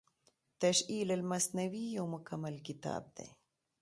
تشعيل المثنوي يو مکمل کتاب دی